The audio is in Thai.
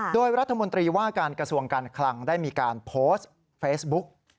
โดยรัฐมนตรีว่าการกระทรวงการคลังได้มีการโพสต์เฟซบุ๊ก